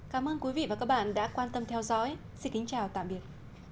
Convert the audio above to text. cảm ơn quý vị và các bạn đã quan tâm theo dõi xin kính chào tạm biệt